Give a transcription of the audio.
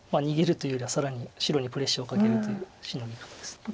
逃げるというよりは更に白にプレッシャーをかけるというシノギなんです。